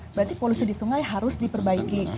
berarti polusi di sungai harus diperbaiki